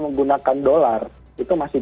menggunakan dolar itu masih